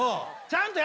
ちゃんと。